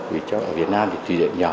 vì trong việt nam thì truyền điện nhỏ